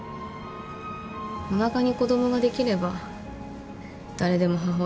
おなかに子供ができれば誰でも母親になる。